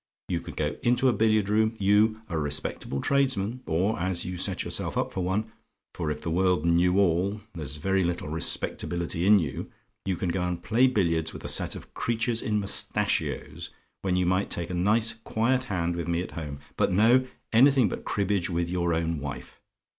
You can go into a billiard room you, a respectable tradesman, or as you set yourself up for one, for if the world knew all, there's very little respectability in you you can go and play billiards with a set of creatures in mustachios, when you might take a nice quiet hand with me at home. But no! anything but cribbage with your own wife!